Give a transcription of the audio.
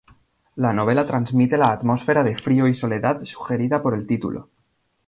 La novela transmite la atmósfera de frío y soledad sugerida por el título.